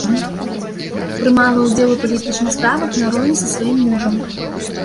Прымала ўдзел у палітычных справах нароўні са сваім мужам.